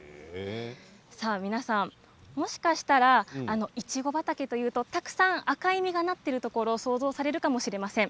さあ皆さん、もしかしたらいちご畑というとたくさん赤い実がなっているところを想像されるかもしれません。